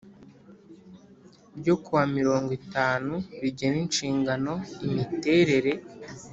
ryo ku wa mirongo itatu rigena inshingano imiterere